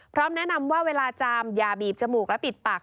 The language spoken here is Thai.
พร้อมแนะนำว่าเวลาจามอย่าบีบจมูกและปิดปาก